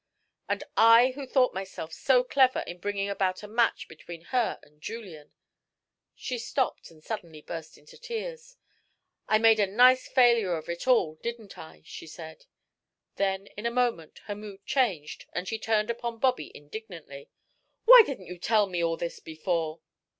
And I who thought myself so clever in bringing about a match between her and Julian!" She stopped and suddenly burst into tears. "I made a nice failure of it all, didn't I?" she said. Then in a moment, her mood changed, and she turned upon Bobby indignantly. "Why didn't you tell me all this before?"